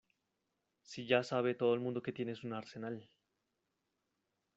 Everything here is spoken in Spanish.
si ya sabe todo el mundo que tienes un arsenal.